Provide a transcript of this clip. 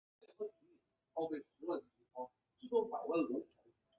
锚杆于转向架左右两侧的配置多为相对位置。